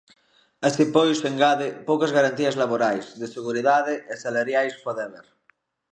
Así pois, engade, poucas garantías laborais, de seguridade e salariais pode haber.